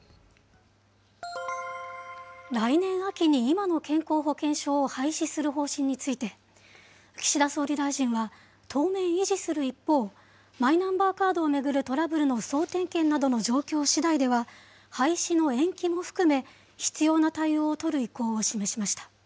来年秋に今の健康保険証を廃止する方針について、岸田総理大臣は、当面維持する一方、マイナンバーカードを巡るトラブルの総点検などの状況しだいでは、廃止の延期も含め、必要な対応を取る意向を示しました。